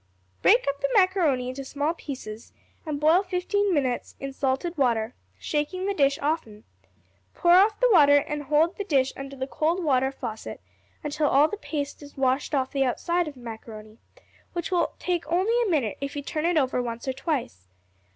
Break up the macaroni into small pieces, and boil fifteen minutes in salted water, shaking the dish often. Pour off the water and hold the dish under the cold water faucet until all the paste is washed off the outside of the macaroni, which will take only a minute if you turn it over once or twice.